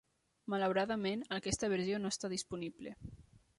Malauradament, aquesta versió no està disponible.